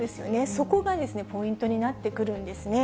そこがポイントになってくるんですね。